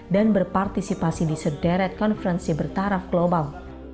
dan berpartisipasi di sederet konferensi bertaraf global